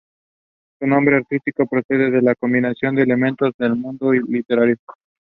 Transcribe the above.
The village is connected to Lethem by road.